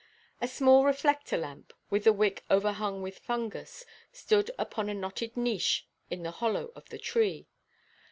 A small reflector–lamp, with the wick overhung with fungus, stood upon a knotted niche in the hollow of the tree.